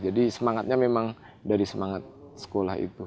jadi semangatnya memang dari semangat sekolah itu